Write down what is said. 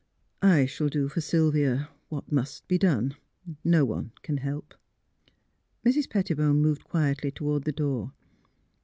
*' I shall do for Sylvia — ^what must be done. No one can help." Mrs. Pettibone moved quietly toward the door.